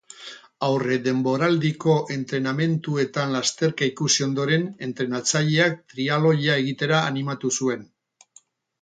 Aurredenboraldiko entrenamenduetan lasterka ikusi ondoren, entrenatzaileak triatloia egitera animatu zuen.